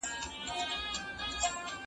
هغه څوک چي ليکنې کوي پوهه زياتوي!؟